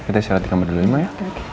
kita istirahat di kamar dulu ma ya